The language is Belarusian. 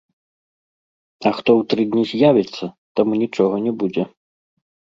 А хто ў тры дні з'явіцца, таму нічога не будзе.